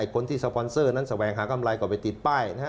คนที่สปอนเซอร์นั้นแสวงหากำไรก็ไปติดป้ายนะฮะ